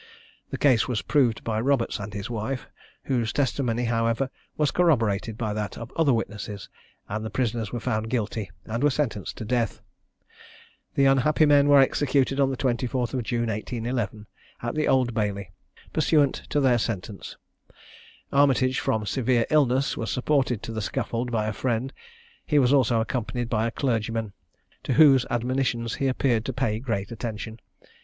The case was proved by Roberts and his wife, whose testimony, however, was corroborated by that of other witnesses, and the prisoners were found guilty and were sentenced to death. The unhappy men were executed on the 24th of June, 1811, at the Old Bailey, pursuant to their sentence. Armitage, from severe illness, was supported to the scaffold by a friend; he was also accompanied by a clergyman, to whose admonitions he appeared to pay great attention.